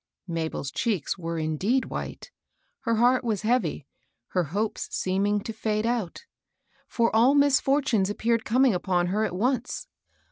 Mabel's cheeks were indeed white. Her heart was heavy, her hopes seeming to fade out; for all misf(H*tunes appeared coming upon her at once.